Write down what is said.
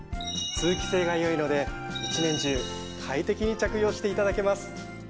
通気性がよいので１年中快適に着用していただけます。